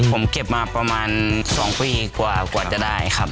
ผมเก็บมาประมาณ๒ปีกว่าจะได้ครับ